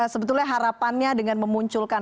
sebetulnya harapannya dengan memunculkan